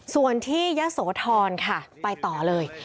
ส่วนที่ยะโสธรค่ะไปต่อเลย